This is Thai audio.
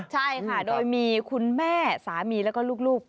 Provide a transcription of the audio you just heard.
ใช่ค่ะโดยมีคุณแม่สามีแล้วก็ลูก